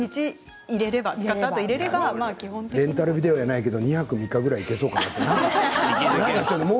レンタルビデオじゃないけれども２泊３日ぐらいいけそうだけれどもね。